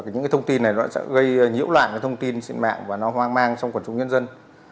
những thông tin này sẽ gây nhiễu loạn thông tin trên mạng và nó hoang mang trong quần trung nhân dân